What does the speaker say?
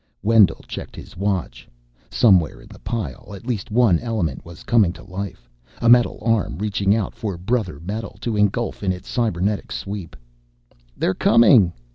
Wendell checked his watch. Somewhere in the pile at least one element was coming to life, a metal arm reaching out for brother metal to engulf in its cybernetic sweep. "They're coming!"